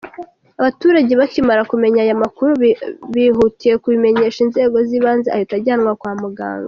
Abaturage bakimara kumenya aya makuru bihutiye kubimenyesha inzego z’ibanze ahita ajyanwa kwa muganga.